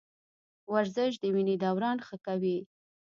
ورزش د وینې دوران ښه کوي.